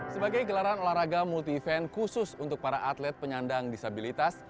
sebagai gelaran olahraga multi event khusus untuk para atlet penyandang disabilitas